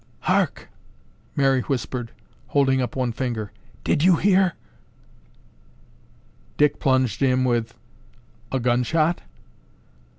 "Hark!" Mary whispered, holding up one finger. "Did you hear—" Dick plunged in with "a gun shot?"